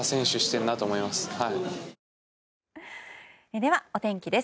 では、お天気です。